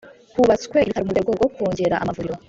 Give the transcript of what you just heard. Hubatswe ibitaro mu rwego rwo kongera amavuriro